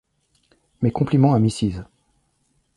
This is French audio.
Mes compliments à Mrs.